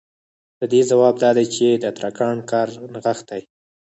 د دې ځواب دا دی چې د ترکاڼ کار نغښتی